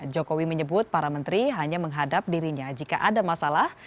jokowi menyebut para menteri hanya menghadap dirinya jika ada masalah